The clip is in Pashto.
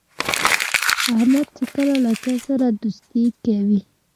احمد چې کله له چا سره دوستي کوي،